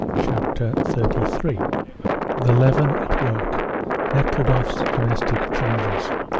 CHAPTER XXXIII. THE LEAVEN AT WORK NEKHLUDOFF'S DOMESTIC CHANGES.